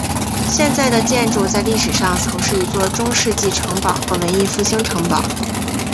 现在的建筑在历史上曾是一座中世纪城堡和文艺复兴城堡。